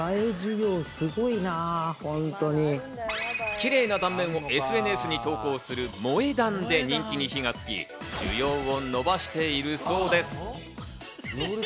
キレイな断面をＳＮＳに投稿する萌え断で人気に火がつき、需要を伸ばしているそうです。